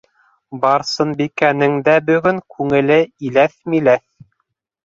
Барсынбикәнең дә бөгөн күңеле иләҫ-миләҫ.